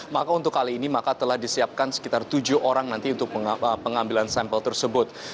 maka untuk kali ini maka telah disiapkan sekitar tujuh orang nanti untuk pengambilan sampel tersebut